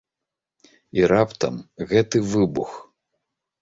І раптам гэты выбух!